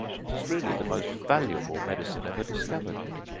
_ It is really the most valuable medicine ever discovered.